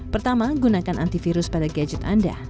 pertama gunakan antivirus pada gadget anda